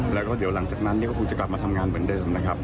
แล้วก็เดี๋ยวหลังจากนั้นก็คงจะกลับมาทำงานเหมือนเดิมนะครับ